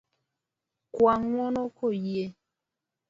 Kwa ng'uono koyie.